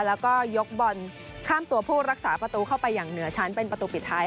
แล้วก็ยกบอลข้ามตัวผู้รักษาประตูเข้าไปอย่างเหนือชั้นเป็นประตูปิดท้าย